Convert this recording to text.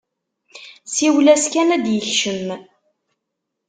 Siwel-as kan ad d-ikcem!